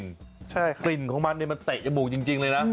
ใช่คุณผู้ชมกลิ่นของมันได้มันเตะจะบุกจริงเลยนะ